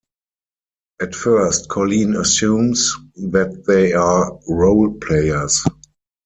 At first Colleen assumes that they are role-players.